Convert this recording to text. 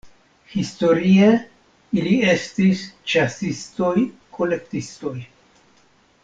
Historie ili estis ĉasistoj-kolektistoj.